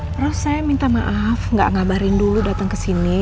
oh ros saya minta maaf gak ngabarin dulu datang kesini